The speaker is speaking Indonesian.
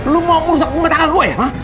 lu mau merusak bunga tangan gua ya